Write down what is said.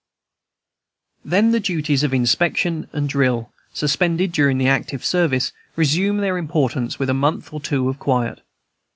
Then the duties of inspection and drill, suspended during active service, resume their importance with a month or two of quiet.